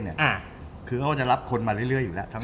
ว่าเขาจะรับคนมาเรื่อยอยู่แหละ